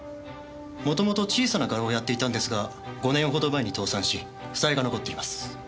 元々小さな画廊をやっていたんですが５年ほど前に倒産し負債が残っています。